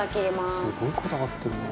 「すごいこだわってるな」